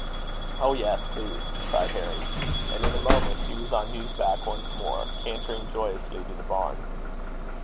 "Oh! yes, please," cried Harry; and in a moment he was on Hugh's back once more, cantering joyously to the barn.